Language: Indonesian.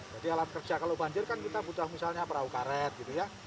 jadi alat kerja kalau banjir kan kita butuh misalnya perahu karet gitu ya